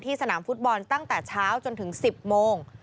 สนามฟุตบอลตั้งแต่เช้าจนถึง๑๐โมง